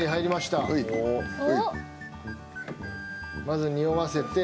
まずにおわせて。